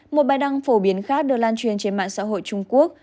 một bài đăng phổ biến khác được lan truyền trên mạng xã hội trung quốc